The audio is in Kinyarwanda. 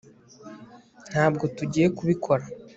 ntabwo tugiye kubikora